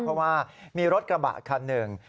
เพราะว่ามีรถกระบะคันหนึ่ง